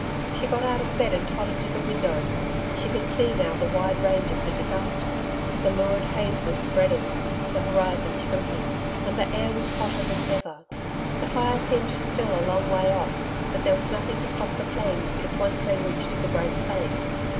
She got out of bed and tottered to the window. She could see now the wide range of the disaster. The lurid haze was spreading. The horizon shrinking, and the air was hotter than ever. The fire seemed still a long way off, but there was nothing to stop the flames if once they reached the great plain.